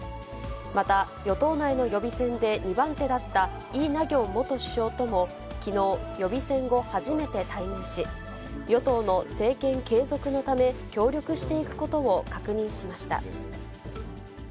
また与党内の予備選で２番手だったイ・ナギョン元首相ともきのう、予備選後初めて対面し、与党の政権継続のため、協力していくことを確認しました。